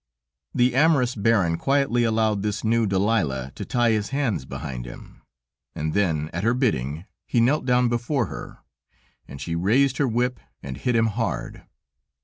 The amorous baron quietly allowed this new Delila to tie his hands behind him, and then at her bidding, he knelt down before her, and she raised her whip and hit him hard.